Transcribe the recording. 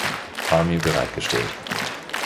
Army bereitgestellt.